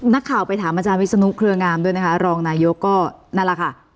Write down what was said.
นักข่าวไปถามอาจารย์วิศนุเครืองามด้วยนะคะรองนายกก็นั่นแหละค่ะ